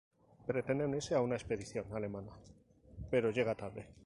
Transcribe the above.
Pretende unirse a una expedición alemana, pero llega tarde.